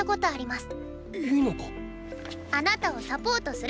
あなたをサポートする！